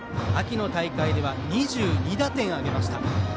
秋の大会では２２打点を挙げました。